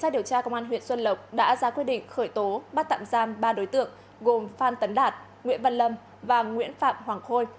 điều tra công an huyện xuân lộc đã ra quyết định khởi tố bắt tạm giam ba đối tượng gồm phan tấn đạt nguyễn văn lâm và nguyễn phạm hoàng khôi